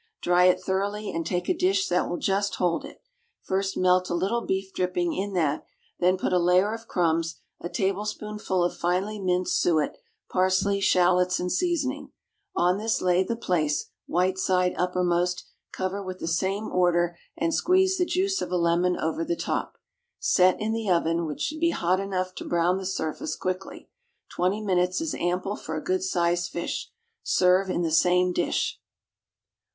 Dry it thoroughly, and take a dish that will just hold it. First melt a little beef dripping in that, then put a layer of crumbs, a tablespoonful of finely minced suet, parsley, shallots, and seasoning. On this lay the plaice, white side uppermost, cover with the same order, and squeeze the juice of a lemon over the top. Set in the oven, which should be hot enough to brown the surface quickly. Twenty minutes is ample for a good sized fish. Serve in the same dish.